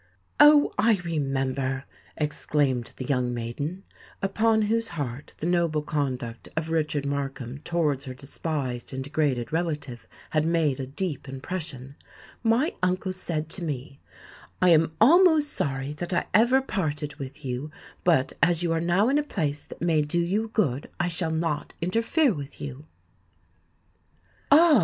"Oh! I remember," exclaimed the young maiden, upon whose heart the noble conduct of Richard Markham towards her despised and degraded relative had made a deep impression: "my uncle said to me, '_I am almost sorry that I ever parted with you; but as you are now in a place that may do you good, I shall not interfere with you_.'" "Ah!